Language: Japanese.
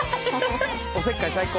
おせっかい最高。